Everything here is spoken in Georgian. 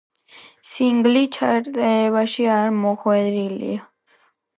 სინგლი ჩარტებში არ მოხვედრილა.